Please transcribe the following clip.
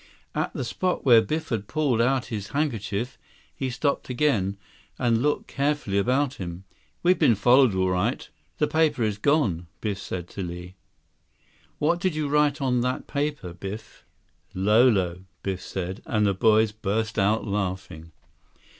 At the spot where Biff had pulled out his handkerchief, he stopped again, and looked carefully about him. "We've been followed, all right. The paper is gone," Biff said to Li. "What did you write on that paper, Biff?" 83 "'Lolo,'" Biff said, and the boys burst out laughing.